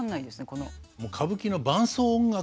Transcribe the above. この。